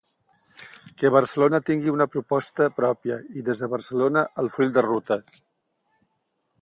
Que Barcelona tingui una proposta pròpia, i des de Barcelona, al full de ruta.